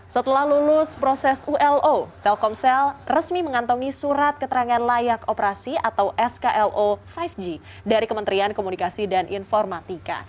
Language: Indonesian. setelah lulus proses ulo telkomsel resmi mengantongi surat keterangan layak operasi atau sklo lima g dari kementerian komunikasi dan informatika